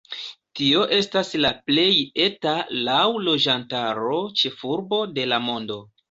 Tio estas la plej eta laŭ loĝantaro ĉefurbo de la mondo.